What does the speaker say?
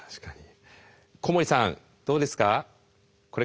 小森さんどうですか？